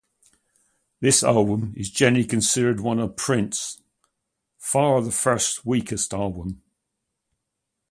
The album is generally considered one of Prince Far the First's weaker albums.